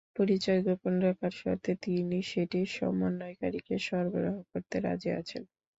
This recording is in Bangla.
পরিচয় গোপন রাখার শর্তে তিনি সেটি সমন্বয়কারীকে সরবরাহ করতে রাজি আছেন।